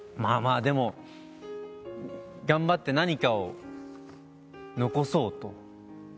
まあまあでも頑張って何かを残そうと。